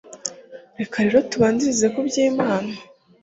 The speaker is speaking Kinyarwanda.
reka rero tubanzirize ku byo imana